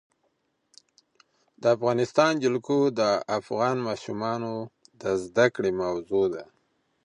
د افغانستان جلکو د افغان ماشومانو د زده کړې موضوع ده.